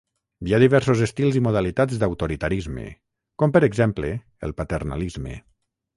Hi ha diversos estils i modalitats d'autoritarisme, com per exemple el paternalisme.